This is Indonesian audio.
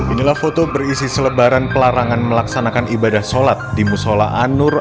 inilah foto berisi selebaran pelarangan melaksanakan ibadah sholat di musola anur